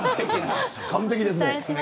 完璧ですね。